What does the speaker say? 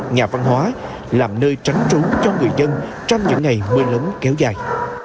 nhà văn hóa làm nơi tránh trú cho người dân trong những ngày mưa lớn kéo dài